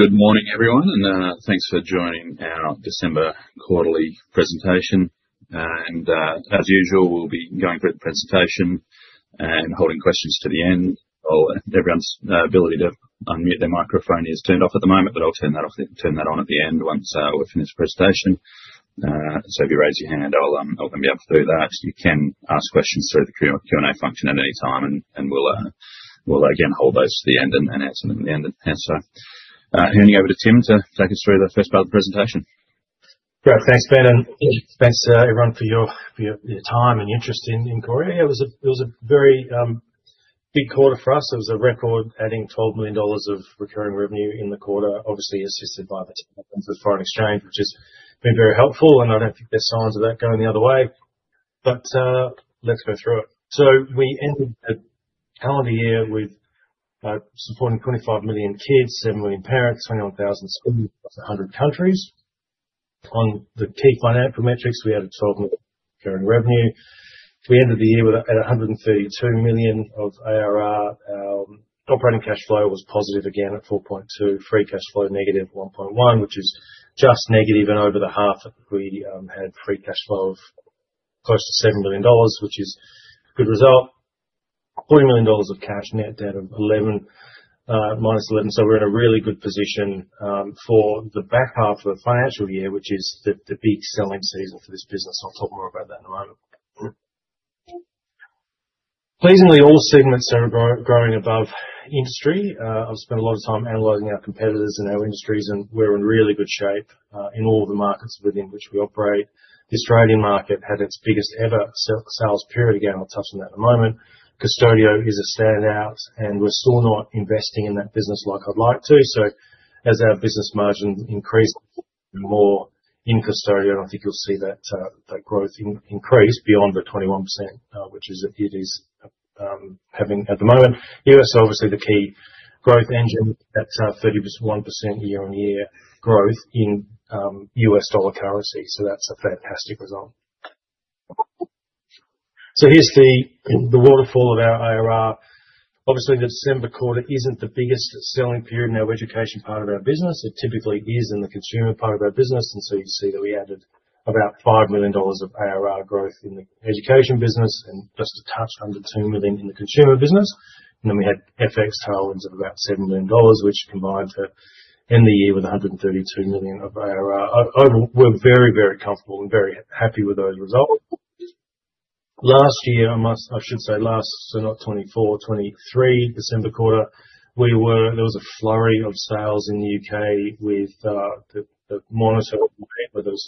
Good morning, everyone, and thanks for joining our December quarterly presentation. And as usual, we'll be going through the presentation and holding questions to the end. Everyone's ability to unmute their microphone is turned off at the moment, but I'll turn that on at the end once we're finished the presentation. So if you raise your hand, I'll be able to do that. You can ask questions through the Q&A function at any time, and we'll again hold those to the end and answer them at the end. So handing over to Tim to take us through the first part of the presentation. Great. Thanks, Ben. And thanks, everyone, for your time and interest in Qoria. Yeah, it was a very big quarter for us. It was a record, adding 12 million dollars of recurring revenue in the quarter, obviously assisted by the FX, which has been very helpful. And I don't think there's signs of that going the other way. But let's go through it, so we ended the calendar year with supporting 25 million kids, seven million parents, 21,000 schools across 100 countries. On the key financial metrics, we had 12 million recurring revenue. We ended the year at 132 million of ARR. Our operating cash flow was positive again at 4.2 million, free cash flow negative at 1.1 million, which is just negative and over the half that we had free cash flow of close to 7 million dollars, which is a good result. 40 million of cash net down of minus 11%. So we're in a really good position for the back half of the financial year, which is the big selling season for this business. I'll talk more about that in a moment. Pleasingly, all segments are growing above industry. I've spent a lot of time analyzing our competitors and our industries, and we're in really good shape in all of the markets within which we operate. The Australian market had its biggest ever sales period. Again, I'll touch on that in a moment. Qustodio is a standout, and we're still not investing in that business like I'd like to. So as our business margins increase more in Qustodio, I think you'll see that growth increase beyond the 21%, which it is having at the moment. U.S., obviously, the key growth engine, that's 31% year-on-year growth in U.S. dollar currency. That's a fantastic result. Here's the waterfall of our ARR. Obviously, the December quarter isn't the biggest selling period in our education part of our business. It typically is in the consumer part of our business. You see that we added about 5 million dollars of ARR growth in the education business and just a touch under 2 million in the consumer business. We had FX tailwinds of about 7 million dollars, which combined to end the year with 132 million of ARR. We're very, very comfortable and very happy with those results. Last year, I should say, so not 2024, 2023 December quarter, there was a flurry of sales in the UK with the mandatory rate where there was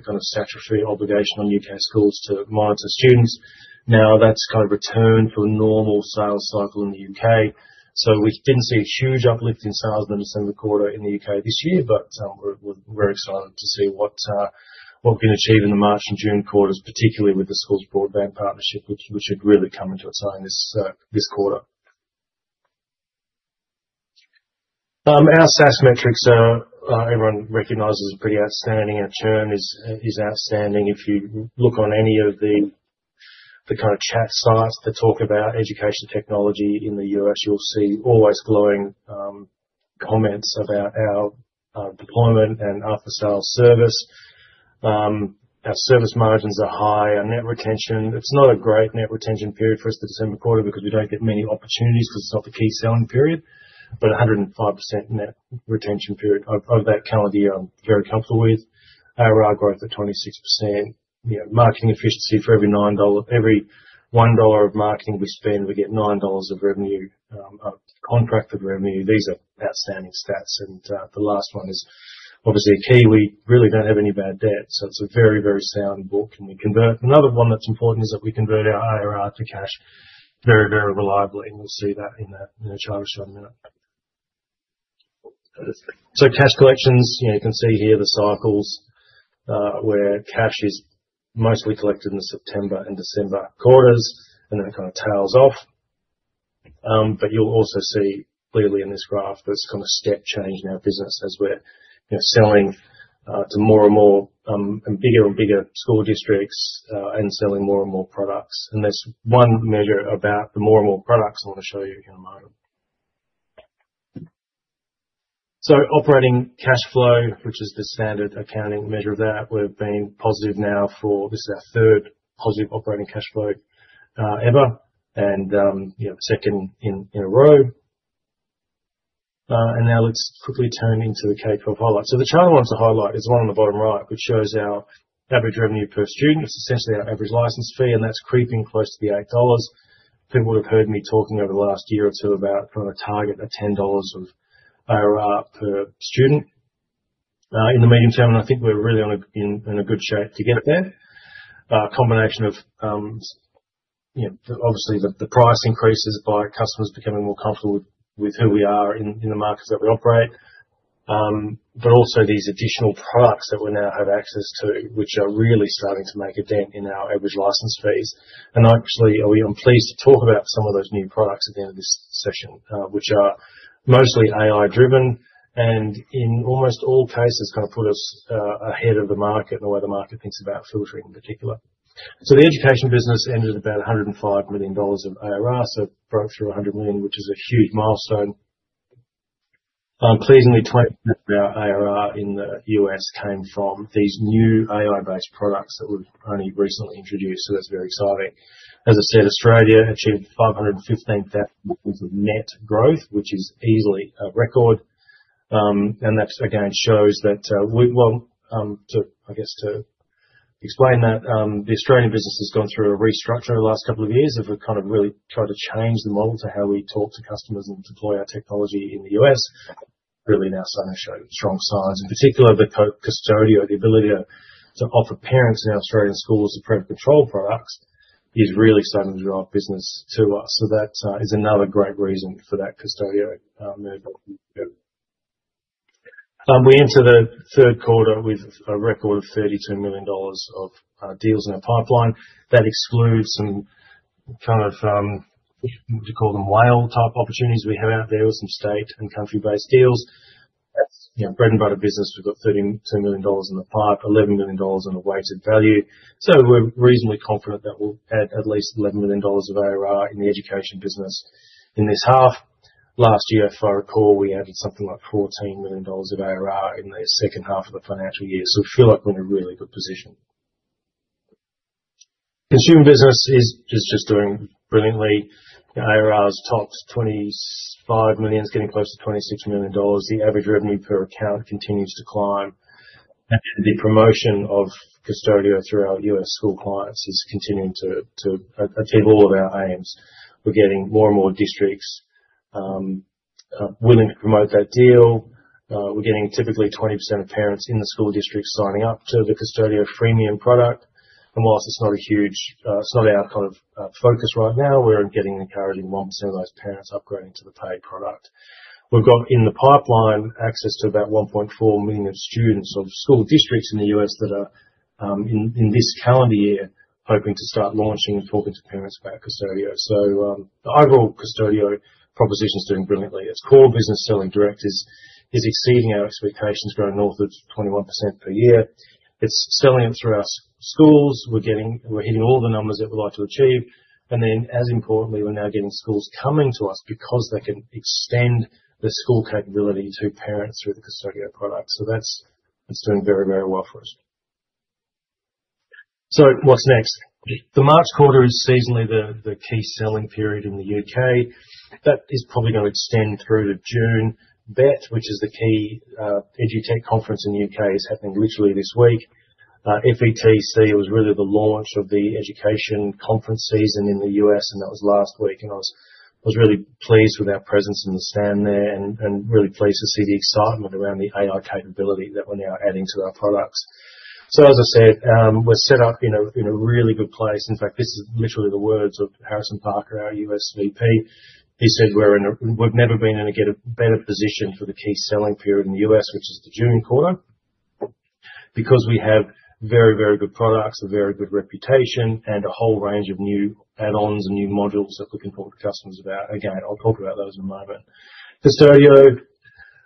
a kind of statutory obligation on UK schools to monitor students. That's kind of returned to a normal sales cycle in the UK. We didn't see a huge uplift in sales in the December quarter in the U.K. this year, but we're excited to see what we can achieve in the March and June quarters, particularly with the Schools Broadband partnership, which had really come into its own this quarter. Our SaaS metrics, everyone recognizes, are pretty outstanding. Our churn is outstanding. If you look on any of the kind of chat sites that talk about education technology in the U.S., you'll see always glowing comments about our deployment and after-sales service. Our service margins are high. Our net retention, it's not a great net retention period for us the December quarter because we don't get many opportunities because it's not the key selling period, but 105% net retention period of that calendar year I'm very comfortable with. ARR growth at 26%. Marketing efficiency for every 1 dollar of marketing we spend, we get 9 dollars of revenue, contracted revenue. These are outstanding stats, and the last one is obviously a key. We really don't have any bad debt, so it's a very, very sound book, and another one that's important is that we convert our ARR to cash very, very reliably, and we'll see that in the chart I'll show you in a minute, so cash collections, you can see here the cycles where cash is mostly collected in the September and December quarters, and then it kind of tails off, but you'll also see clearly in this graph this kind of step change in our business as we're selling to more and more and bigger and bigger school districts and selling more and more products. There's one measure about the more and more products I want to show you in a moment. Operating cash flow, which is the standard accounting measure of that, we've been positive now. This is our third positive operating cash flow ever and second in a row. Now let's quickly turn to the K-12 highlights. The chart I want to highlight is the one on the bottom right, which shows our average revenue per student. It's essentially our average license fee, and that's creeping close to the $8. People would have heard me talking over the last year or two about kind of a target of $10 of ARR per student. In the medium term, I think we're really in a good shape to get there. A combination of, obviously, the price increases by customers becoming more comfortable with who we are in the markets that we operate, but also these additional products that we now have access to, which are really starting to make a dent in our average license fees, and actually, I'm pleased to talk about some of those new products at the end of this session, which are mostly AI-driven and in almost all cases kind of put us ahead of the market and the way the market thinks about filtering in particular, so the education business ended about 105 million dollars of ARR, so broke through 100 million, which is a huge milestone. Pleasingly, 20% of our ARR in the U.S. came from these new AI-based products that were only recently introduced, so that's very exciting. As I said, Australia achieved 515,000 of net growth, which is easily a record. That, again, shows that. Well, I guess to explain that, the Australian business has gone through a restructure over the last couple of years of kind of really trying to change the model to how we talk to customers and deploy our technology in the U.S. Really, now starting to show strong signs. In particular, the Qustodio, the ability to offer parents in Australian schools the parent control products is really starting to drive business to us. So that is another great reason for that Qustodio move. We enter the third quarter with a record of 32 million dollars of deals in our pipeline. That excludes some kind of, what do you call them, whale-type opportunities we have out there with some state and country-based deals. That's bread and butter business. We've got 32 million dollars in the pipe, 11 million dollars in a weighted value. We're reasonably confident that we'll add at least 11 million dollars of ARR in the education business in this half. Last year, if I recall, we added something like 14 million dollars of ARR in the second half of the financial year. So we feel like we're in a really good position. Consumer business is just doing brilliantly. ARR has topped 25 million, getting close to 26 million dollars. The average revenue per account continues to climb. The promotion of Qustodio through our U.S. school clients is continuing to achieve all of our aims. We're getting more and more districts willing to promote that deal. We're getting typically 20% of parents in the school district signing up to the Qustodio freemium product. And while it's not a huge, it's not our kind of focus right now, we're getting encouraging 1% of those parents upgrading to the paid product. We've got in the pipeline access to about 1.4 million students of school districts in the U.S. that are in this calendar year hoping to start launching and talking to parents about Qustodio, so the overall Qustodio proposition is doing brilliantly. Its core business selling direct is exceeding our expectations, growing north of 21% per year. Its selling it through our schools. We're hitting all the numbers that we'd like to achieve, and then, as importantly, we're now getting schools coming to us because they can extend the school capability to parents through the Qustodio product, so that's doing very, very well for us, so what's next? The March quarter is seasonally the key selling period in the U.K. That is probably going to extend through to June. BETT, which is the key edtech conference in the U.K., is happening literally this week. FETC was really the launch of the education conference season in the U.S., and that was last week. And I was really pleased with our presence in the stand there and really pleased to see the excitement around the AI capability that we're now adding to our products. So, as I said, we're set up in a really good place. In fact, this is literally the words of Harrison Parker, our U.S. VP. He said, "We've never been in a better position for the key selling period in the U.S., which is the June quarter, because we have very, very good products, a very good reputation, and a whole range of new add-ons and new modules that we can talk to customers about." Again, I'll talk about those in a moment. Qustodio,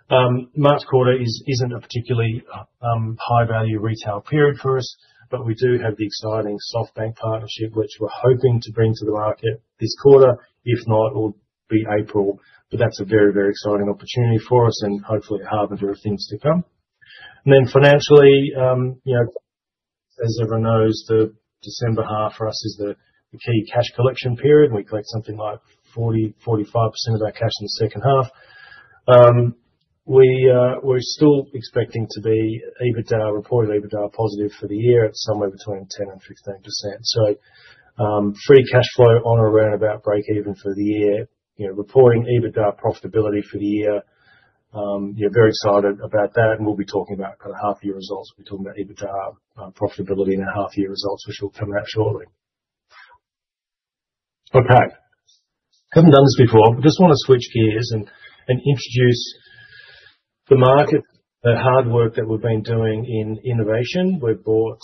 March quarter isn't a particularly high-value retail period for us, but we do have the exciting SoftBank partnership, which we're hoping to bring to the market this quarter. If not, it'll be April. But that's a very, very exciting opportunity for us and hopefully a harbinger of things to come. And then financially, as everyone knows, the December half for us is the key cash collection period. We collect something like 40-45% of our cash in the second half. We're still expecting to be EBITDA, reported EBITDA positive for the year at somewhere between 10%-15%. So free cash flow on or around about break-even for the year, reporting EBITDA profitability for the year. Very excited about that. And we'll be talking about kind of half-year results. We'll be talking about EBITDA profitability in our half-year results, which will come out shortly. Okay. Haven't done this before, but just want to switch gears and introduce the market, the hard work that we've been doing in innovation. We've bought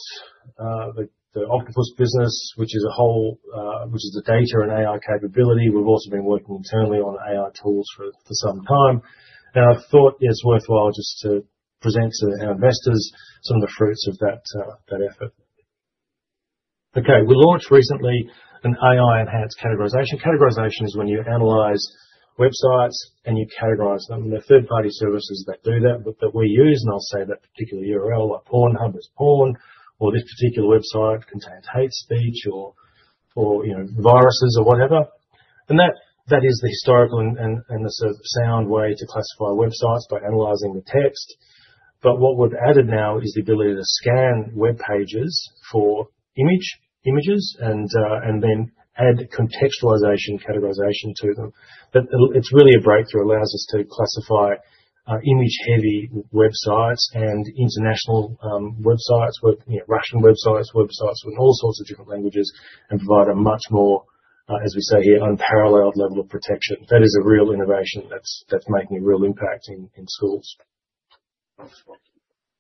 the Octopus business, which is a whole, which is the data and AI capability. We've also been working internally on AI tools for some time. And I thought it's worthwhile just to present to our investors some of the fruits of that effort. Okay. We launched recently an AI-enhanced categorization. Categorization is when you analyze websites and you categorize them. And there are third-party services that do that that we use. And I'll say that particular URL, like Pornhub is porn, or this particular website contains hate speech or viruses or whatever. And that is the historical and the sort of sound way to classify websites by analyzing the text. But what we've added now is the ability to scan web pages for images and then add contextualization categorization to them. But it's really a breakthrough. It allows us to classify image-heavy websites and international websites, Russian websites, websites with all sorts of different languages, and provide a much more, as we say here, unparalleled level of protection. That is a real innovation that's making a real impact in schools.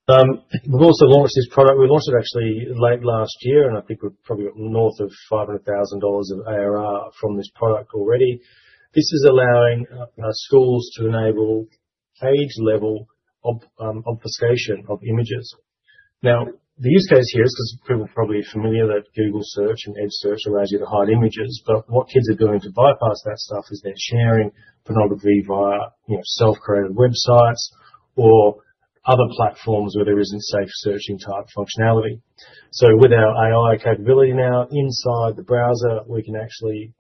We've also launched this product. We launched it actually late last year, and I think we're probably north of $500,000 of ARR from this product already. This is allowing our schools to enable page-level obfuscation of images. Now, the use case here is because people are probably familiar that Google Search and Edge Search allows you to hide images. But what kids are doing to bypass that stuff is they're sharing pornography via self-created websites or other platforms where there isn't safe searching type functionality. So with our AI capability now inside the browser, we can actually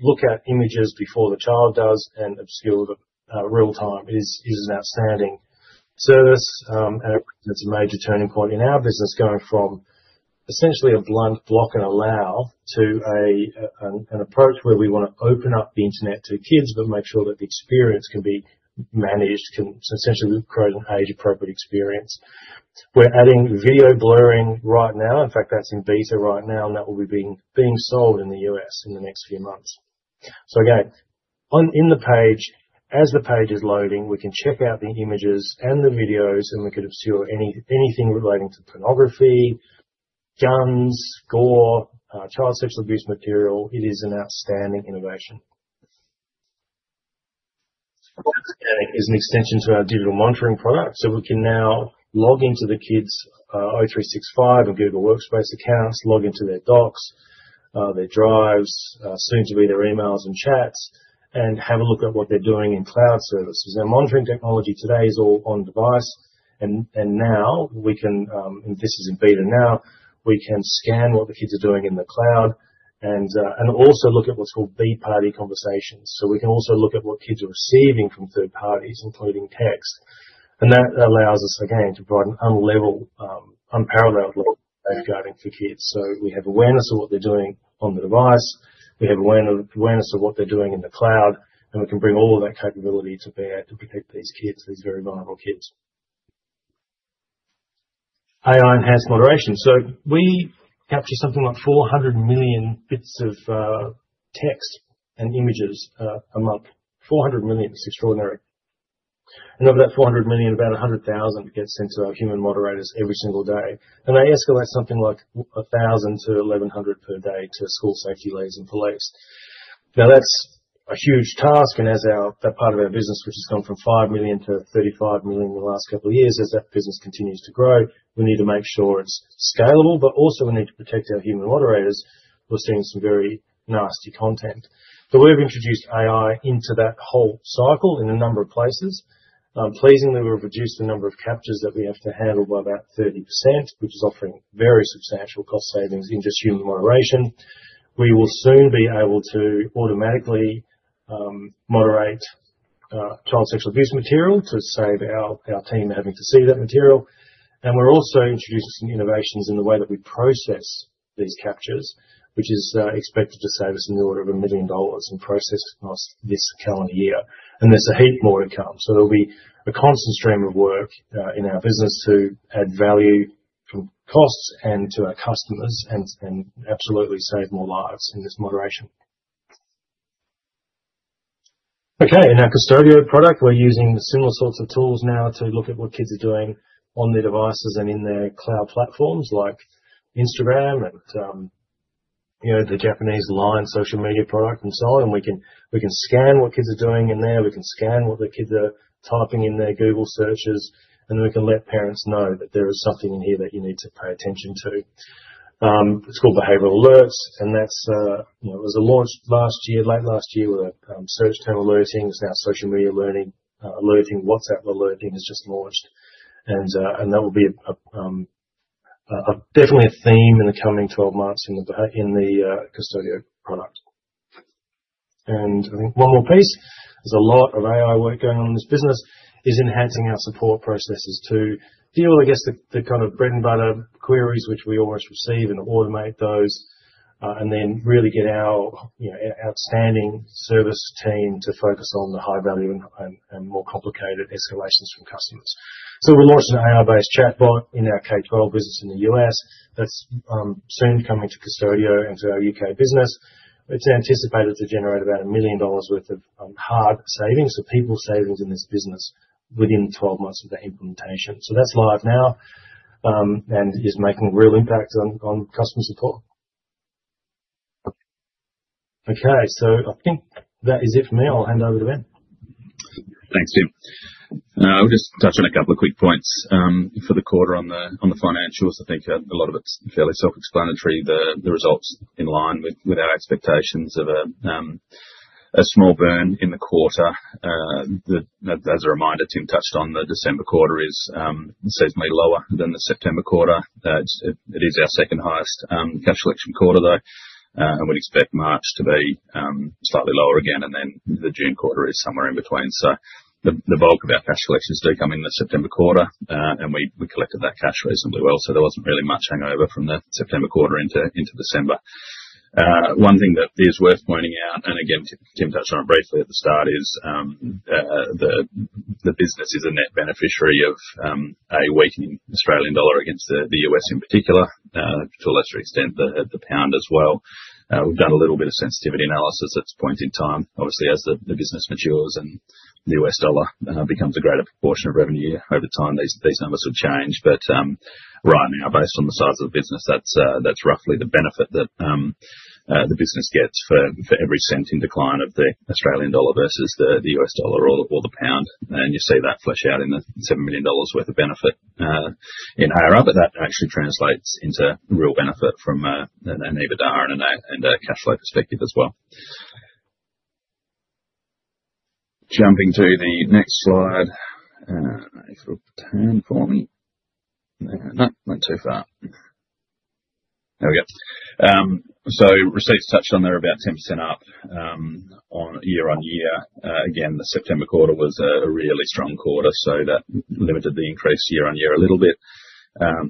look at images before the child does and obscure them real-time. It is an outstanding service, and it's a major turning point in our business going from essentially a blunt block and allow to an approach where we want to open up the internet to kids, but make sure that the experience can be managed, can essentially create an age-appropriate experience. We're adding video blurring right now. In fact, that's in beta right now, and that will be being sold in the U.S. in the next few months. So again, in the page, as the page is loading, we can check out the images and the videos, and we can obscure anything relating to pornography, guns, gore, child sexual abuse material. It is an outstanding innovation. It is an extension to our digital monitoring product. So we can now log into the kids' Office 365 and Google Workspace accounts, log into their docs, their drives, soon to be their emails and chats, and have a look at what they're doing in cloud services. Our monitoring technology today is all on-device. And now we can, and this is in beta now, we can scan what the kids are doing in the cloud and also look at what's called third-party conversations. So we can also look at what kids are receiving from third parties, including text. And that allows us, again, to provide an unparalleled level of safeguarding for kids. We have awareness of what they're doing on the device. We have awareness of what they're doing in the cloud, and we can bring all of that capability to bear to protect these kids, these very vulnerable kids. AI-enhanced moderation. We capture something like 400 million bits of text and images a month. 400 million, it's extraordinary. And of that 400 million, about 100,000 get sent to our human moderators every single day. And they escalate something like 1,000 to 1,100 per day to school safety leads and police. Now, that's a huge task. And as that part of our business, which has gone from 5 million to 35 million in the last couple of years, as that business continues to grow, we need to make sure it's scalable, but also we need to protect our human moderators who are seeing some very nasty content. We've introduced AI into that whole cycle in a number of places. Pleasingly, we've reduced the number of captures that we have to handle by about 30%, which is offering very substantial cost savings in just human moderation. We will soon be able to automatically moderate child sexual abuse material to save our team having to see that material. And we're also introducing innovations in the way that we process these captures, which is expected to save us in the order of 1 million dollars in process costs this calendar year. And there's a heap more to come. So there'll be a constant stream of work in our business to add value from costs and to our customers and absolutely save more lives in this moderation. Okay. In our Qustodio product, we're using similar sorts of tools now to look at what kids are doing on their devices and in their cloud platforms like Instagram and the Japanese LINE social media product and so on, and we can scan what kids are doing in there. We can scan what the kids are typing in their Google searches, and then we can let parents know that there is something in here that you need to pay attention to. It's called Behavioral Alerts, and that was launched last year, late last year with a search term alerting. It's now social media alerting. WhatsApp alerting has just launched, and that will be definitely a theme in the coming 12 months in the Qustodio product, and I think one more piece. There's a lot of AI work going on in this business. It's enhancing our support processes to deal against the kind of bread and butter queries which we almost receive and automate those, and then really get our outstanding service team to focus on the high-value and more complicated escalations from customers. So we launched an AI-based chatbot in our K-12 business in the U.S. That's soon coming to Qustodio and to our U.K. business. It's anticipated to generate about $1 million worth of hard savings, so people's savings in this business within 12 months of the implementation. So that's live now and is making a real impact on customer support. Okay. So I think that is it for me. I'll hand over to Ben. Thanks, Tim. I'll just touch on a couple of quick points for the quarter on the financials. I think a lot of it's fairly self-explanatory. The results are in line with our expectations of a small burn in the quarter. As a reminder, Tim touched on the December quarter is seasonally lower than the September quarter. It is our second-highest cash collection quarter, though. And we'd expect March to be slightly lower again. And then the June quarter is somewhere in between. So the bulk of our cash collections do come in the September quarter, and we collected that cash reasonably well. So there wasn't really much hangover from the September quarter into December. One thing that is worth pointing out, and again, Tim touched on it briefly at the start, is the business a net beneficiary of a weakening Australian dollar against the US in particular, to a lesser extent the pound as well. We've done a little bit of sensitivity analysis at this point in time. Obviously, as the business matures and the US dollar becomes a greater proportion of revenue over time, these numbers will change. But right now, based on the size of the business, that's roughly the benefit that the business gets for every cent in decline of the Australian dollar versus the US dollar or the pound. And you see that flesh out in the 7 million dollars worth of benefit in ARR. But that actually translates into real benefit from an EBITDA and a cash flow perspective as well. Jumping to the next slide. If you'll turn for me. No, not too far. There we go. So receipts touched on there are about 10% up year on year. Again, the September quarter was a really strong quarter, so that limited the increase year on year a little bit.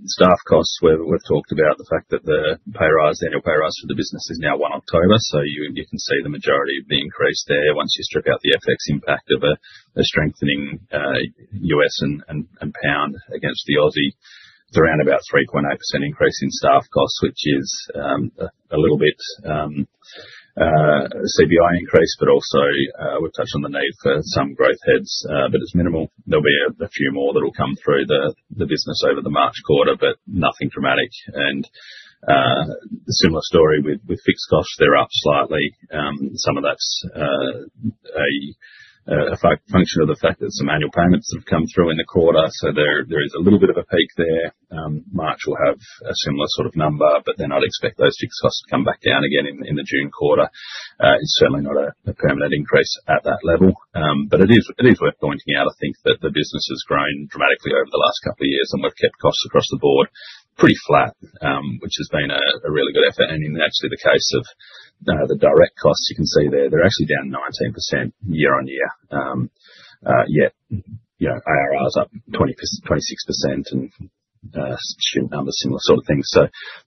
Staff costs, we've talked about the fact that the pay rise, annual pay rise for the business is now 1 October. So you can see the majority of the increase there. Once you strip out the FX impact of a strengthening U.S. and pound against the Aussie, it's around about 3.8% increase in staff costs, which is a little bit CPI increase, but also we've touched on the need for some growth heads, but it's minimal. There'll be a few more that'll come through the business over the March quarter, but nothing dramatic, and similar story with fixed costs. They're up slightly. Some of that's a function of the fact that some annual payments have come through in the quarter. So there is a little bit of a peak there. March will have a similar sort of number, but then I'd expect those fixed costs to come back down again in the June quarter. It's certainly not a permanent increase at that level. But it is worth pointing out, I think, that the business has grown dramatically over the last couple of years, and we've kept costs across the board pretty flat, which has been a really good effort. And actually in the case of the direct costs, you can see they're actually down 19% year on year. Yet ARR is up 26% and subscription numbers, similar sort of thing. So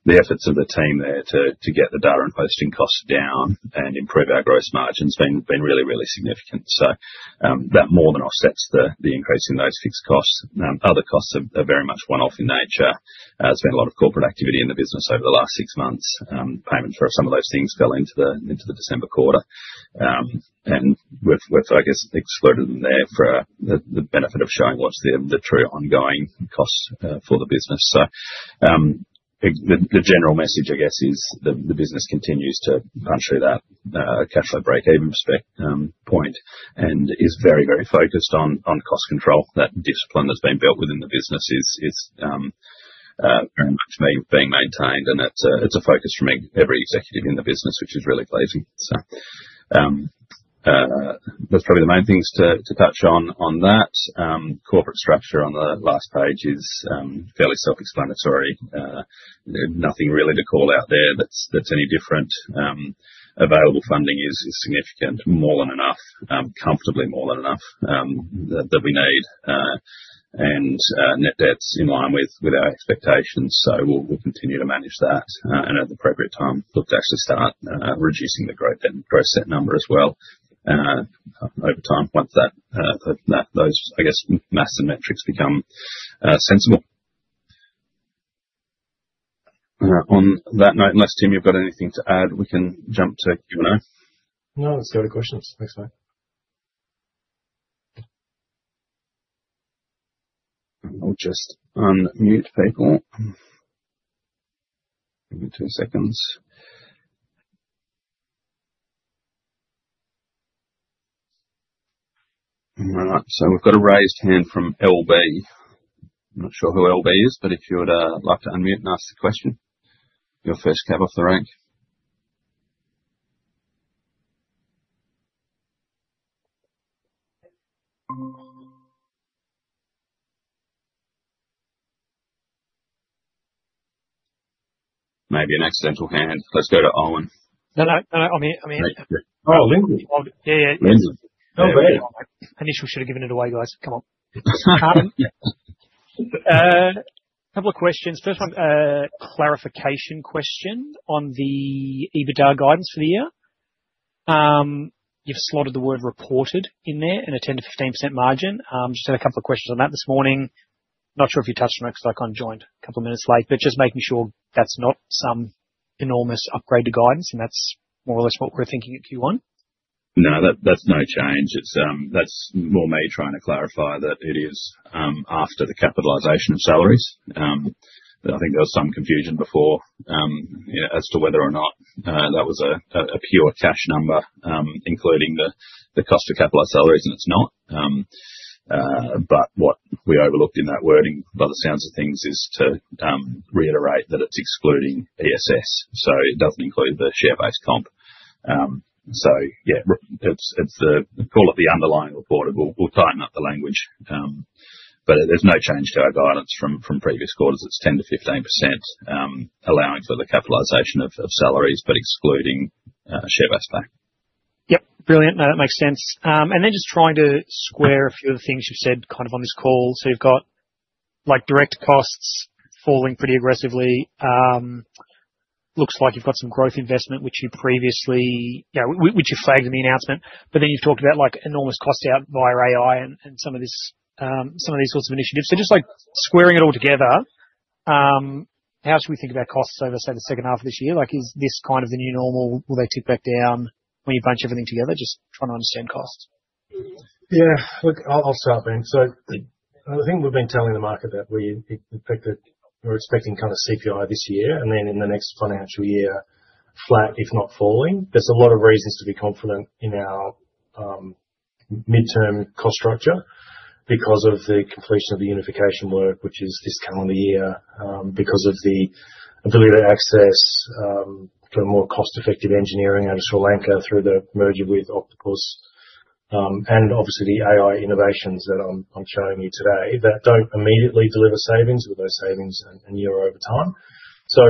the efforts of the team there to get the data and hosting costs down and improve our gross margins have been really, really significant. So that more than offsets the increase in those fixed costs. Other costs are very much one-off in nature. There's been a lot of corporate activity in the business over the last six months. Payments for some of those things fell into the December quarter, and we've, I guess, expensed in there for the benefit of showing what's the true ongoing costs for the business, so the general message, I guess, is the business continues to punch through that cash flow break even respect point and is very, very focused on cost control. That discipline that's been built within the business is very much being maintained, and it's a focus for every executive in the business, which is really pleasing, so that's probably the main things to touch on that. Corporate structure on the last page is fairly self-explanatory. Nothing really to call out there that's any different. Available funding is significant, more than enough, comfortably more than enough than we need. Net debt's in line with our expectations. We'll continue to manage that. At the appropriate time, look to actually start reducing the gross debt number as well over time once those, I guess, massive metrics become sensible. On that note, unless Tim, you've got anything to add, we can jump to Q&A. No, let's go to questions. Thanks, Matt. I'll just unmute people. Give me two seconds. All right. We've got a raised hand from LB. I'm not sure who LB is, but if you'd like to unmute and ask the question, you're first cab off the rank. Maybe an accidental hand. Let's go to Owen. Oh, Lindsay. Yeah, yeah. Lindsay. No bad. I initially should have given it away, guys. Come on. A couple of questions. First one, clarification question on the EBITDA guidance for the year. You've slotted the word reported in there and a 10%-15% margin. Just had a couple of questions on that this morning. Not sure if you touched on it because I kind of joined a couple of minutes late, but just making sure that's not some enormous upgrade to guidance, and that's more or less what we're thinking at Q1. No, that's no change. That's more me trying to clarify that it is after the capitalization of salaries. I think there was some confusion before as to whether or not that was a pure cash number, including the cost of capitalized salaries, and it's not. But what we overlooked in that wording, by the sounds of things, is to reiterate that it's excluding ESS. So it doesn't include the share-based comp. So yeah, call it the underlying report. We'll tighten up the language. But there's no change to our guidance from previous quarters. It's 10%-15% allowing for the capitalization of salaries, but excluding share-based pay. Yep. Brilliant. No, that makes sense. And then just trying to square a few of the things you've said kind of on this call. So you've got direct costs falling pretty aggressively. Looks like you've got some growth investment, which you flagged in the announcement. But then you've talked about enormous costs out via AI and some of these sorts of initiatives. So just squaring it all together, how should we think about costs over, say, the second half of this year? Is this kind of the new normal? Will they tick back down when you bunch everything together? Just trying to understand costs. Yeah. Look, I'll start then. So the thing we've been telling the market that we expect that we're expecting kind of CPI this year and then in the next financial year, flat, if not falling. There's a lot of reasons to be confident in our midterm cost structure because of the completion of the unification work, which is this calendar year, because of the ability to access kind of more cost-effective engineering out of Sri Lanka through the merger with Octopus. And obviously, the AI innovations that I'm showing you today that don't immediately deliver savings with those savings a year over time. So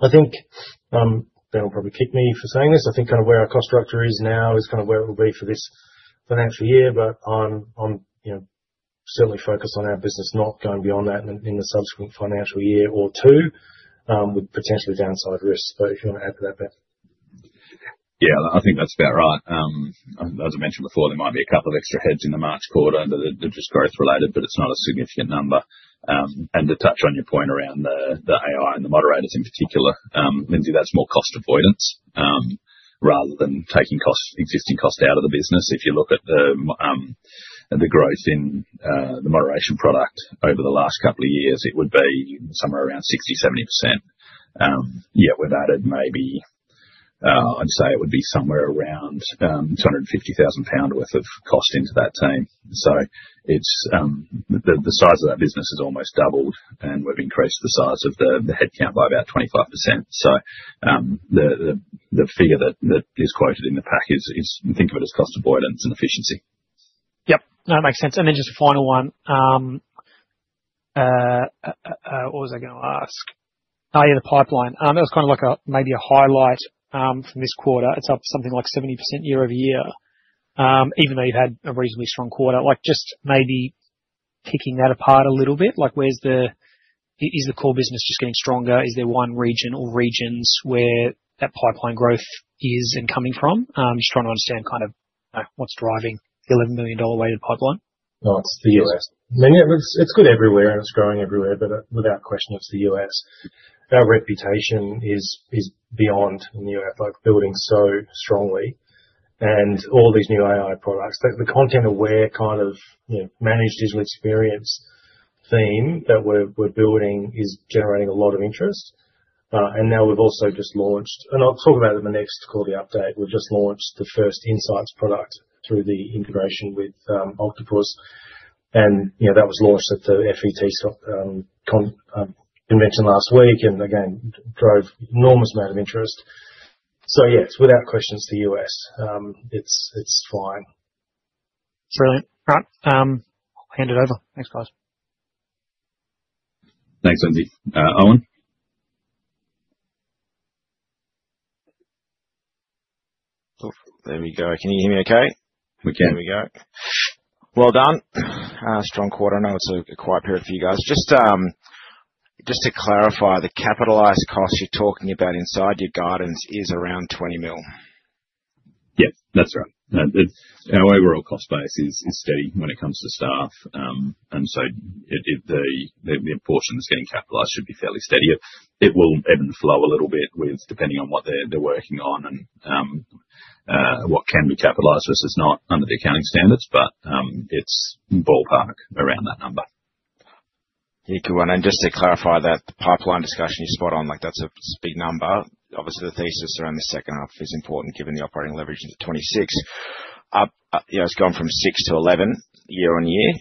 I think Ben will probably kick me for saying this. I think kind of where our cost structure is now is kind of where it will be for this financial year. But I'm certainly focused on our business not going beyond that in the subsequent financial year or two with potentially downside risks. But if you want to add to that, Ben. Yeah, I think that's about right. As I mentioned before, there might be a couple of extra heads in the March quarter that are just growth-related, but it's not a significant number. And to touch on your point around the AI and the moderators in particular, Lindsay, that's more cost avoidance rather than taking existing costs out of the business. If you look at the growth in the moderation product over the last couple of years, it would be somewhere around 60%-70%. Yeah, with added maybe, I'd say it would be somewhere around 250,000 pound worth of cost into that team. he size of that business has almost doubled, and we've increased the size of the headcount by about 25%, so the figure that is quoted in the package, think of it as cost avoidance and efficiency. Yep. No, that makes sense, and then just a final one. What was I going to ask? Oh, yeah, the pipeline. That was kind of like maybe a highlight from this quarter. It's up something like 70% year-over-year, even though you've had a reasonably strong quarter. Just maybe picking that apart a little bit. Is the core business just getting stronger? Is there one region or regions where that pipeline growth is coming from? Just trying to understand kind of what's driving the $11 million-weighted pipeline. Oh, it's the U.S. I mean, it's good everywhere, and it's growing everywhere, but without question, it's the U.S. Our reputation is booming in the US, building so strongly. And all these new AI products, the content-aware kind of managed digital experience theme that we're building is generating a lot of interest. And now we've also just launched, and I'll talk about it in the next quarter update, we've just launched the first insights product through the integration with Octopus. And that was launched at the FETC last week and again drove an enormous amount of interest. So yeah, it's without question the US. It's fine. Brilliant. All right. I'll hand it over. Thanks, guys. Thanks, Lindsay. Owen. There we go. Can you hear me okay? We can. There we go. Well done. Strong quarter. I know it's a quiet period for you guys. Just to clarify, the capitalized cost you're talking about inside your guidance is around 20 million. Yep. That's right. Our overall cost base is steady when it comes to staff, and so the portion that's getting capitalized should be fairly steady. It will ebb and flow a little bit depending on what they're working on and what can be capitalized versus not under the accounting standards, but it's ballpark around that number. Yeah, good one, and just to clarify that pipeline discussion you spot on, that's a big number. Obviously, the thesis around the second half is important given the operating leverage into 2026. It's gone from 6 to 11 year on year.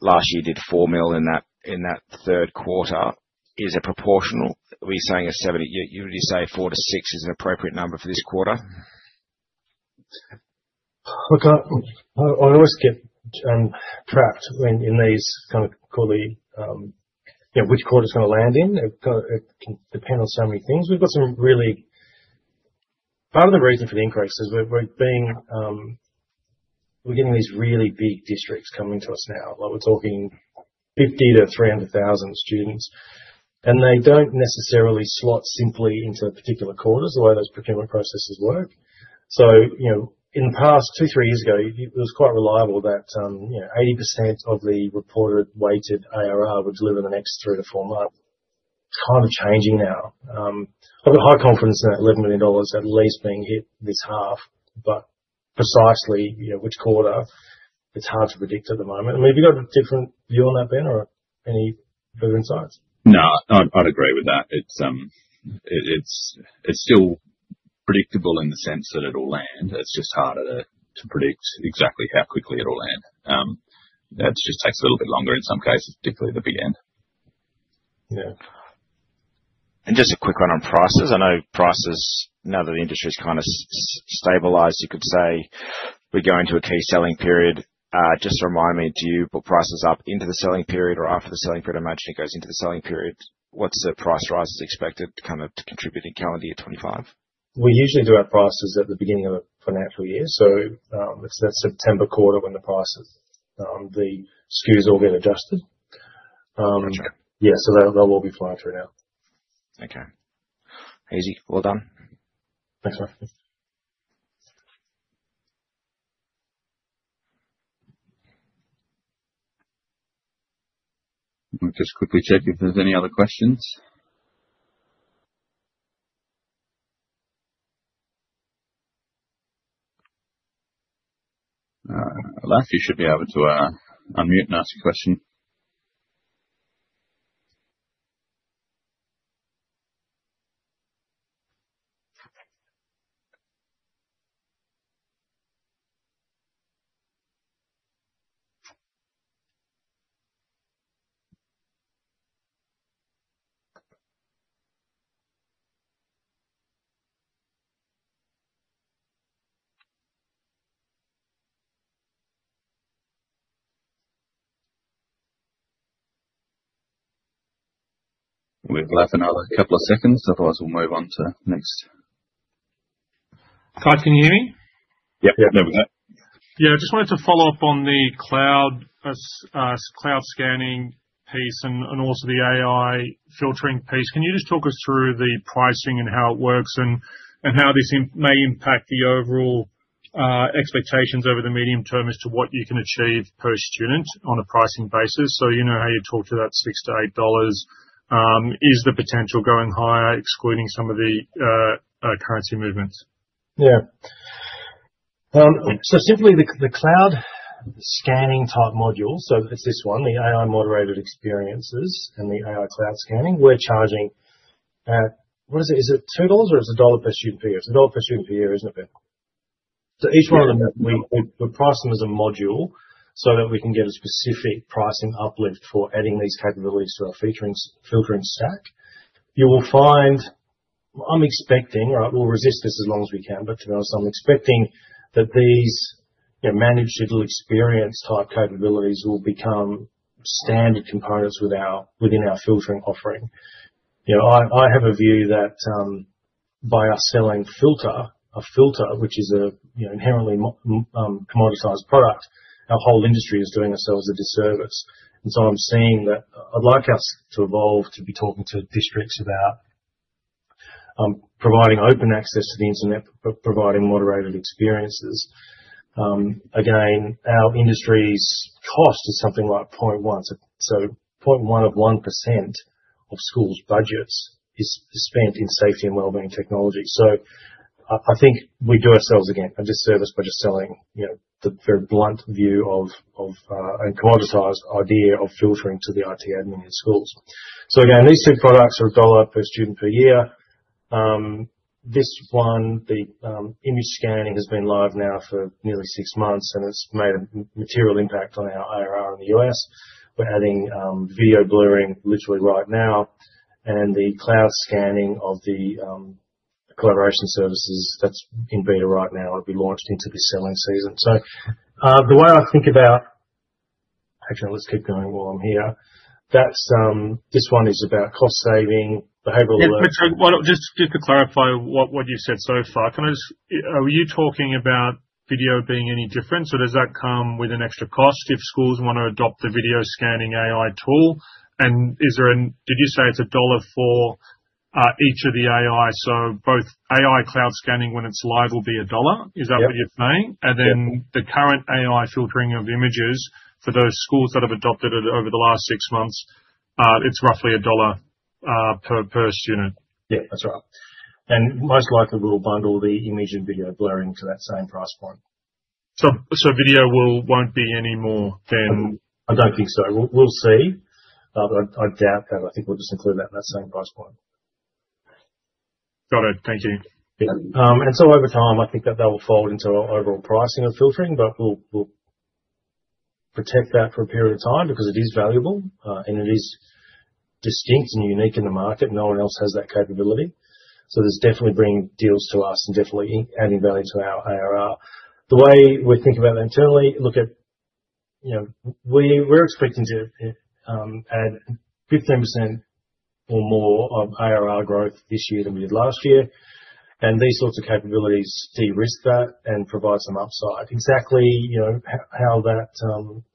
Last year, you did 4 million in that third quarter. Is it proportional? Were you saying a 70? You would say 4 to 6 is an appropriate number for this quarter? Look, I always get trapped in these kinds of calls, the which quarter it's going to land in. It can depend on so many things. We've got some really, part of the reason for the increase is we're getting these really big districts coming to us now. We're talking 50-300,000 students, and they don't necessarily slot simply into particular quarters the way those procurement processes work, so in the past two, three years ago, it was quite reliable that 80% of the reported weighted ARR would deliver in the next three to four months. It's kind of changing now. I've got high confidence in that 11 million dollars at least being hit this half, but precisely which quarter, it's hard to predict at the moment. I mean, have you got a different view on that, Ben, or any further insights? No, I'd agree with that. It's still predictable in the sense that it'll land. It's just harder to predict exactly how quickly it'll land. It just takes a little bit longer in some cases, particularly the big end. Yeah. And just a quick one on prices. I know prices, now that the industry's kind of stabilized, you could say we're going to a key selling period. Just remind me, do you put prices up into the selling period or after the selling period? I imagine it goes into the selling period. What's the price rise expected kind of to contribute in calendar year 2025? We usually do our prices at the beginning of a financial year. So it's that September quarter when the prices, the SKUs all get adjusted. Yeah, so they'll all be flying through now. Okay. Easy. Well done. Thanks, Matt. Just quickly check if there's any other questions. Leif, you should be able to unmute and ask a question. We've left another couple of seconds. Otherwise, we'll move on to the next. Hi, can you hear me? Yep. Yeah, there we go. Yeah, I just wanted to follow up on the cloud scanning piece and also the AI filtering piece. Can you just talk us through the pricing and how it works and how this may impact the overall expectations over the medium term as to what you can achieve per student on a pricing basis? So you know how you talk to that $6-$8. Is the potential going higher, excluding some of the currency movements? Yeah. So simply the cloud scanning type module, so it's this one, the AI moderated experiences and the AI cloud scanning, we're charging at what is it? Is it $2 or is it dollar per student per year? It's a dollar per student per year, isn't it, Ben? Each one of them, we price them as a module so that we can get a specific pricing uplift for adding these capabilities to our filtering stack. You will find. I'm expecting, right? We'll resist this as long as we can, but to be honest, I'm expecting that these managed digital experience type capabilities will become standard components within our filtering offering. I have a view that by us selling a filter, which is an inherently commoditized product, our whole industry is doing ourselves a disservice. And so I'm seeing that I'd like us to evolve to be talking to districts about providing open access to the internet, providing moderated experiences. Again, our industry's cost is something like 0.1%, so 0.1 of 1% of schools' budgets is spent in safety and wellbeing technology. I think we do ourselves again a disservice by just selling the very blunt view of a commoditized idea of filtering to the IT admin in schools. So again, these two products are $1 per student per year. This one, the image scanning, has been live now for nearly six months, and it's made a material impact on our ARR in the U.S. We're adding video blurring literally right now. And the cloud scanning of the collaboration services, that's in beta right now. It'll be launched into this selling season. So the way I think about - actually, let's keep going while I'm here. This one is about cost saving, behavioral awareness. Yeah, but just to clarify what you've said so far, can I just - are you talking about video being any different, or does that come with an extra cost if schools want to adopt the video scanning AI tool? Did you say it's $1 for each of the AI? So both AI cloud scanning when it's live will be $1. Is that what you're saying? And then the current AI filtering of images for those schools that have adopted it over the last six months, it's roughly $1 per student. Yeah, that's right. And most likely, we'll bundle the image and video blurring to that same price point. So video won't be any more than. I don't think so. We'll see. I doubt that. I think we'll just include that in that same price point. Got it. Thank you. And so over time, I think that that will fold into our overall pricing of filtering, but we'll protect that for a period of time because it is valuable, and it is distinct and unique in the market. No one else has that capability. So there's definitely been deals for us and definitely adding value to our ARR. The way we think about that internally, look at. We're expecting to add 15% or more of ARR growth this year than we did last year. These sorts of capabilities de-risk that and provide some upside. Exactly how that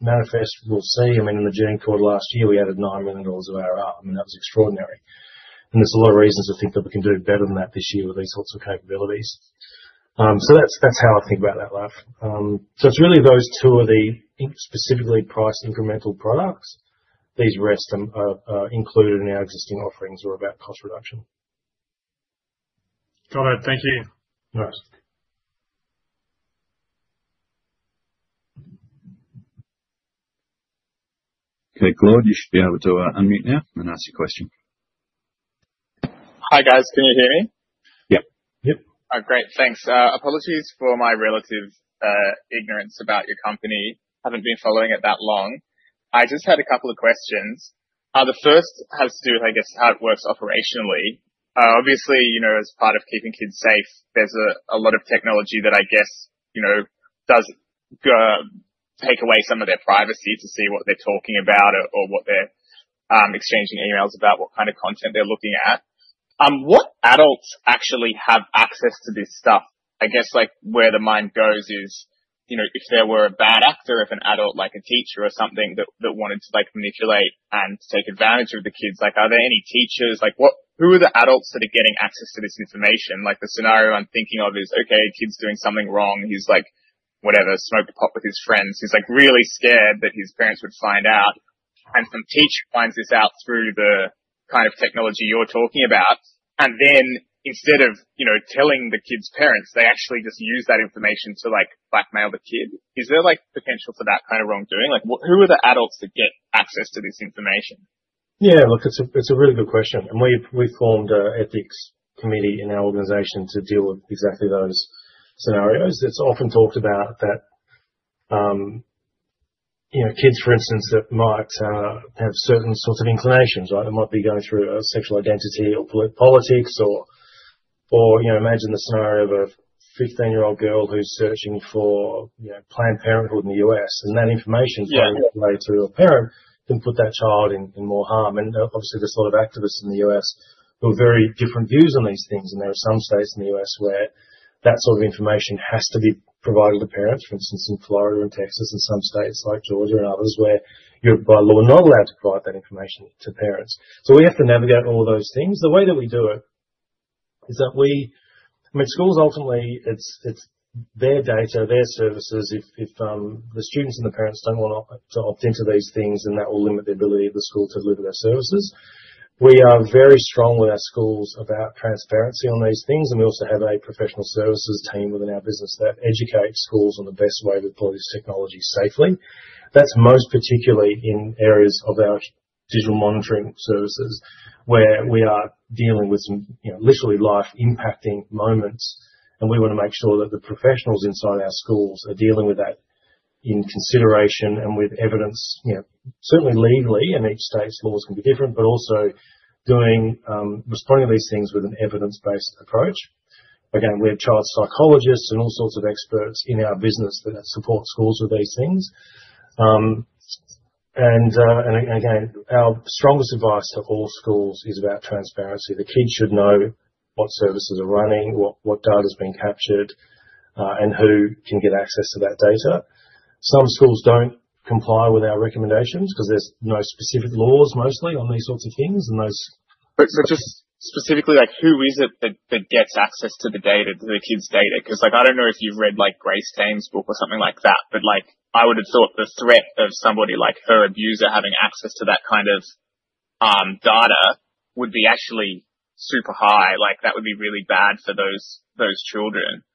manifests, we'll see. I mean, in the June quarter last year, we added 9 million dollars of ARR. I mean, that was extraordinary. There's a lot of reasons to think that we can do better than that this year with these sorts of capabilities. That's how I think about that, Leif. It's really those two are the specifically priced incremental products. The rest are included in our existing offerings or about cost reduction. Got it. Thank you. Nice. Okay, Claude, you should be able to unmute now and ask your question. Hi, guys. Can you hear me? Yep. Yep. Great. Thanks. Apologies for my relative ignorance about your company. Haven't been following it that long. I just had a couple of questions. The first has to do with, I guess, how it works operationally. Obviously, as part of keeping kids safe, there's a lot of technology that I guess does take away some of their privacy to see what they're talking about or what they're exchanging emails about, what kind of content they're looking at. What adults actually have access to this stuff? I guess where the mind goes is if there were a bad actor, if an adult, like a teacher or something, that wanted to manipulate and take advantage of the kids, are there any teachers? Who are the adults that are getting access to this information? The scenario I'm thinking of is, okay, a kid's doing something wrong. He's whatever, smoked pot with his friends. He's really scared that his parents would find out. And some teacher finds this out through the kind of technology you're talking about. And then instead of telling the kid's parents, they actually just use that information to blackmail the kid. Is there potential for that kind of wrongdoing? Who are the adults that get access to this information? Yeah, look, it's a really good question. And we formed an ethics committee in our organization to deal with exactly those scenarios. It's often talked about that kids, for instance, that might have certain sorts of inclinations, right? They might be going through a sexual identity or politics or imagine the scenario of a 15-year-old girl who's searching for Planned Parenthood in the US. And that information flowing that way to a parent can put that child in more harm. Obviously, there's a lot of activists in the US who have very different views on these things. There are some states in the US where that sort of information has to be provided to parents, for instance, in Florida and Texas and some states like Georgia and others where you're by law not allowed to provide that information to parents. We have to navigate all of those things. The way that we do it is that we, I mean, schools ultimately, it's their data, their services. If the students and the parents don't want to opt into these things, then that will limit the ability of the school to deliver their services. We are very strong with our schools about transparency on these things. We also have a professional services team within our business that educates schools on the best way to deploy this technology safely. That's most particularly in areas of our digital monitoring services where we are dealing with some literally life-impacting moments. And we want to make sure that the professionals inside our schools are dealing with that in consideration and with evidence, certainly legally, and each state's laws can be different, but also responding to these things with an evidence-based approach. Again, we have child psychologists and all sorts of experts in our business that support schools with these things. And again, our strongest advice to all schools is about transparency. The kids should know what services are running, what data's being captured, and who can get access to that data. Some schools don't comply with our recommendations because there's no specific laws mostly on these sorts of things. And those. So just specifically, who is it that gets access to the data, to the kids' data? Because I don't know if you've read Grace Tame's book or something like that, but I would have thought the threat of somebody like her abuser having access to that kind of data would be actually super high. That would be really bad for those children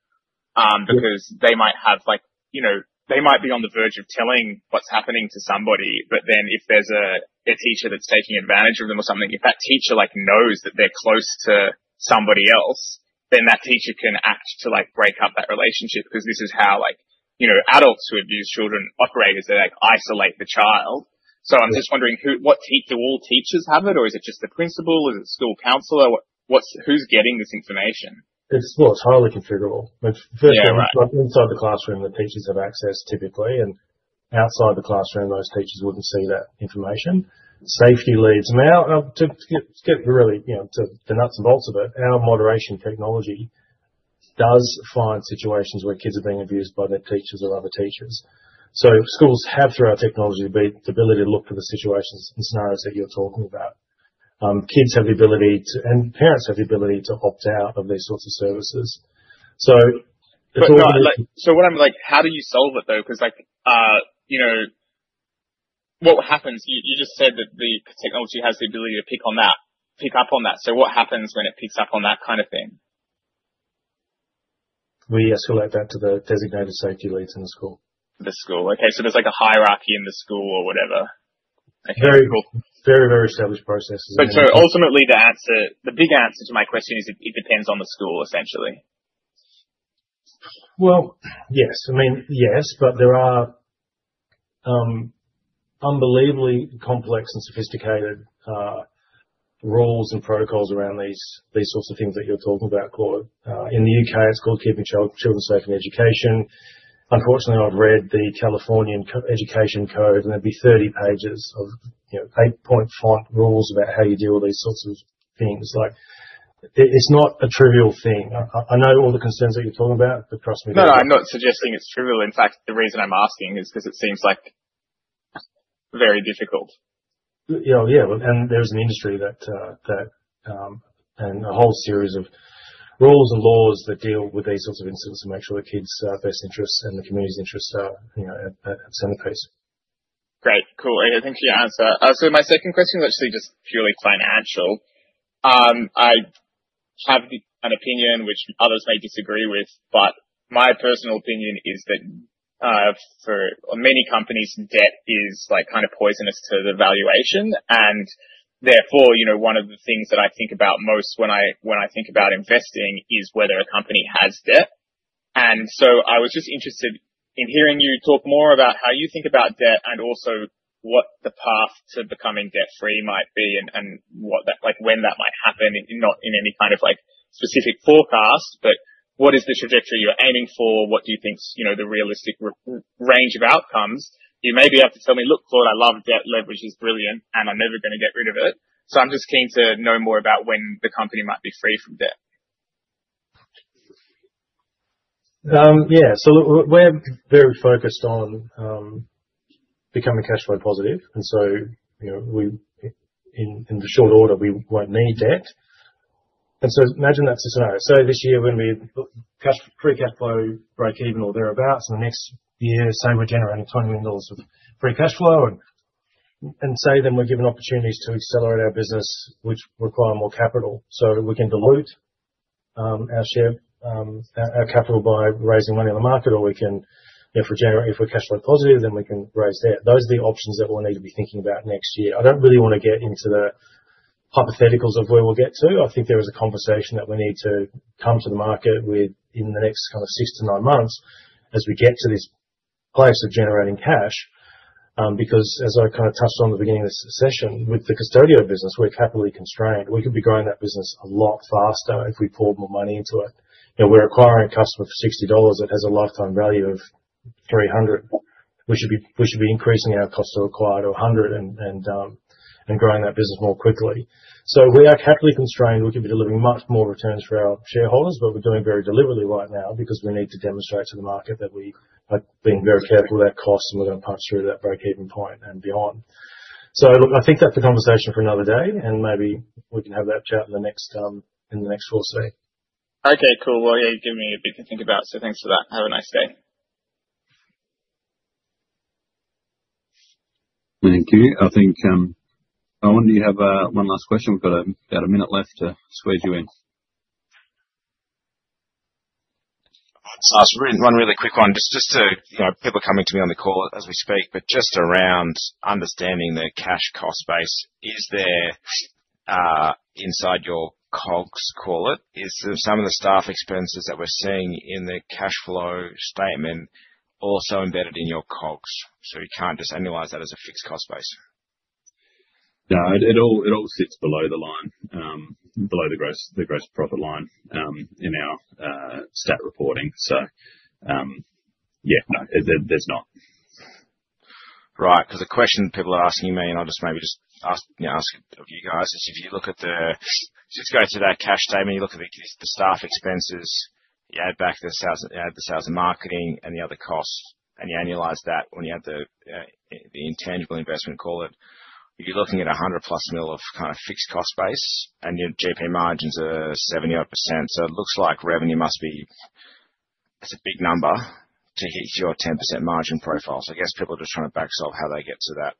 because they might be on the verge of telling what's happening to somebody, but then if there's a teacher that's taking advantage of them or something, if that teacher knows that they're close to somebody else, then that teacher can act to break up that relationship because this is how adults who abuse children operate is they isolate the child. So I'm just wondering, do all teachers have it, or is it just the principal? Is it school counselor? Who's getting this information? It's highly configurable. First of all, inside the classroom, the teachers have access typically. Outside the classroom, those teachers wouldn't see that information. Safety leads. Now, to get really to the nuts and bolts of it, our moderation technology does find situations where kids are being abused by their teachers or other teachers. So schools have, through our technology, the ability to look for the situations and scenarios that you're talking about. Kids have the ability to, and parents have the ability to opt out of these sorts of services. So it's all. So what I'm how do you solve it though? Because what happens? You just said that the technology has the ability to pick on that, pick up on that kind of thing? We escalate that to the designated safety leads in the school. The school. Okay. So there's a hierarchy in the school or whatever. Okay. Very cool. Very, very established processes. But so ultimately, the big answer to my question is it depends on the school, essentially. Well, yes. I mean, yes, but there are unbelievably complex and sophisticated rules and protocols around these sorts of things that you're talking about, Claude. In the U.K., it's called Keeping Children Safe in Education. Unfortunately, I've read the California Education Code, and there'd be 30 pages of 85 rules about how you deal with these sorts of things. It's not a trivial thing. I know all the concerns that you're talking about, but trust me. No, no. I'm not suggesting it's trivial. In fact, the reason I'm asking is because it seems very difficult. Yeah. And there is an industry that, and a whole series of rules and laws that deal with these sorts of incidents and make sure the kids' best interests and the community's interests are at centerpiece. Great. Cool. Thanks for your answer. So my second question is actually just purely financial. I have an opinion which others may disagree with, but my personal opinion is that for many companies, debt is kind of poisonous to the valuation. And therefore, one of the things that I think about most when I think about investing is whether a company has debt. And so I was just interested in hearing you talk more about how you think about debt and also what the path to becoming debt-free might be and when that might happen, not in any kind of specific forecast, but what is the trajectory you're aiming for? What do you think's the realistic range of outcomes? You may be able to tell me, "Look, Claude, I love debt leverage. It's brilliant, and I'm never going to get rid of it." So I'm just keen to know more about when the company might be free from debt. Yeah. So we're very focused on becoming cash flow positive. And so in the short order, we won't need debt. And so imagine that's a scenario. So this year, when we pre-cash flow break even or thereabouts, and the next year, say we're generating 20 million dollars of free cash flow, and say then we're given opportunities to accelerate our business, which require more capital. So we can dilute our capital by raising money in the market, or we can, if we're cash flow positive, then we can raise debt. Those are the options that we'll need to be thinking about next year. I don't really want to get into the hypotheticals of where we'll get to. I think there is a conversation that we need to come to the market with in the next kind of six to nine months as we get to this place of generating cash. Because as I kind of touched on at the beginning of this session, with the custodial business, we're capital constrained. We could be growing that business a lot faster if we poured more money into it. We're acquiring a customer for $60 that has a lifetime value of $300. We should be increasing our cost to acquire to $100 and growing that business more quickly. So we are capital constrained. We could be delivering much more returns for our shareholders, but we're doing very deliberately right now because we need to demonstrate to the market that we are being very careful with our costs, and we're going to punch through that break-even point and beyond. So look, I think that's a conversation for another day, and maybe we can have that chat in the next fireside. Okay. Cool. Well, yeah, you've given me a bit to think about. So thanks for that. Have a nice day. Thank you. I wonder if you have one last question. We've got about a minute left to squeeze you in. All right. So I'll run a really quick one. Just to people coming to me on the call as we speak, but just around understanding the cash cost base, is there inside your COGS, call it, is some of the staff expenses that we're seeing in the cash flow statement also embedded in your COGS? So you can't just analyze that as a fixed cost base? No. It all sits below the line, below the gross profit line in our statutory reporting. So yeah, no, there's not. Right. Because the questions people are asking me, and I'll just maybe just ask a few guys, is if you look at the, so if you go to that cash flow statement, you look at the staff expenses, you add back the sales and marketing and the other costs, and you analyze that, and you add the intangible investment, call it, you're looking at 100-plus mil of kind of fixed cost base, and your GP margins are 70-odd %. So it looks like revenue must be. It's a big number to hit your 10% margin profile. So I guess people are just trying to backsolve how they get to that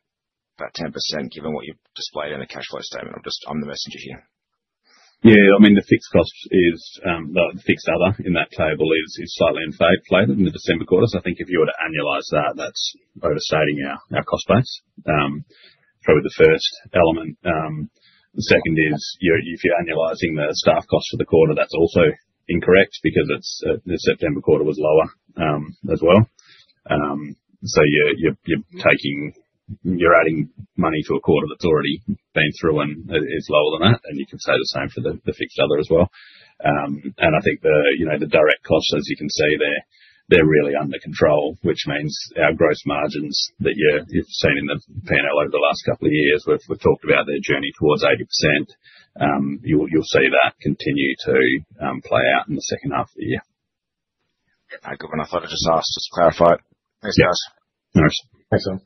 10% given what you've displayed in the cash flow statement. I'm the messenger here. Yeah. I mean, the fixed cost is. The fixed other in that table is slightly inflated in the December quarter. So I think if you were to analyze that, that's overstating our cost base. Probably the first element. The second is if you're analyzing the staff cost for the quarter, that's also incorrect because the September quarter was lower as well. So you're adding money to a quarter that's already been through and is lower than that, and you can say the same for the fixed other as well. And I think the direct costs, as you can see, they're really under control, which means our gross margins that you've seen in the P&L over the last couple of years, we've talked about their journey towards 80%. You'll see that continue to play out in the second half of the year. Okay. Very good. And I thought I'd just ask just to clarify it. Thanks, guys. Thanks. Thanks, Tom.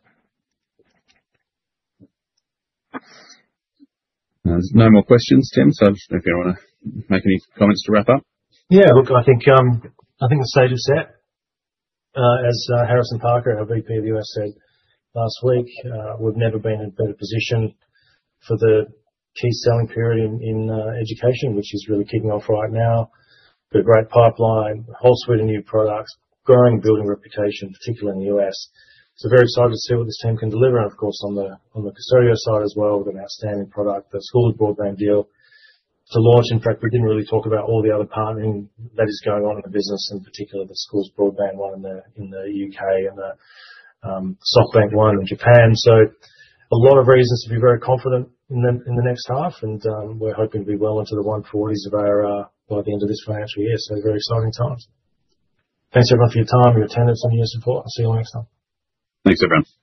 No more questions, Tim, so if you want to make any comments to wrap up. Yeah. Look, I think the stage is set. As Harrison Parker, our VP of the U.S., said last week, we've never been in a better position for the key selling period in education, which is really kicking off right now. We've got a great pipeline, a whole suite of new products, growing and building reputation, particularly in the U.S. So very excited to see what this team can deliver. And of course, on the Qustodio side as well, we've got an outstanding product, the Schools Broadband deal to launch. In fact, we didn't really talk about all the other partnering that is going on in the business, in particular the Schools Broadband one in the UK and the SoftBank one in Japan. So a lot of reasons to be very confident in the next half, and we're hoping to be well into the 140s by the end of this financial year. So very exciting times. Thanks, everyone, for your time, your attendance, and your support. I'll see you all next time. Thanks, everyone.